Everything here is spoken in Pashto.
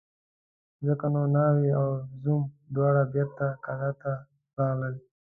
ځکه نو ناوې او زوم دواړه بېرته کلاه ته راغلل.